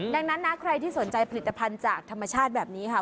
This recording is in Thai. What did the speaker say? ดังนั้นนะใครที่สนใจผลิตภัณฑ์จากธรรมชาติแบบนี้ค่ะ